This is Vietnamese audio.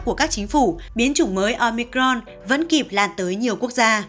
của các chính phủ biến chủng mới omicron vẫn kịp lan tới nhiều quốc gia